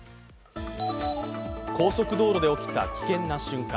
高速道路で起きた危険な瞬間。